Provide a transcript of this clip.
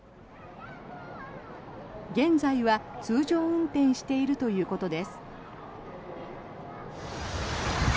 現在は通常運転しているということです。